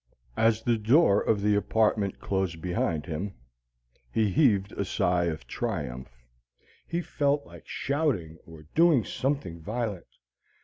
As the door of the apartment closed behind him, he heaved a sigh of triumph. He felt like shouting or doing something violent.